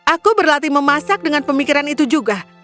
aku berlatih memasak dengan pemikiran itu juga